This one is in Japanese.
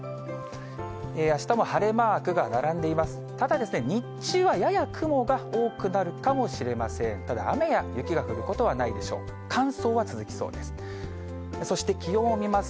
あしたも晴れマークが並んでいます。